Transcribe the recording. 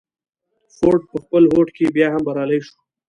فورډ په خپل هوډ کې بيا هم بريالی شو.